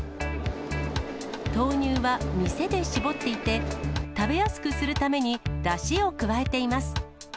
豆乳は店でしぼっていて、食べやすくするためにだしを加えています。